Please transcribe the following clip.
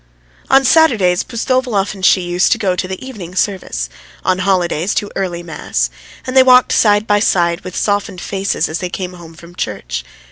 On Saturdays Pustovalov and she used to go to the evening service; on holidays to early mass, and they walked side by side with softened faces as they came home from church.